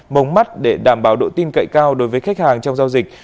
mống mắt để đảm bảo độ tin cậy cao đối với khách hàng trong giao dịch